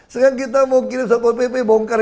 sekarang kita mau kirim sopot pp bongkar